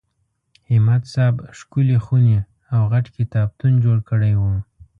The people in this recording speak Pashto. همت صاحب ښکلې خونې او غټ کتابتون جوړ کړی و.